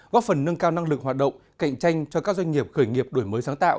góp phần nâng cao năng lực hoạt động cạnh tranh cho các doanh nghiệp khởi nghiệp đổi mới sáng tạo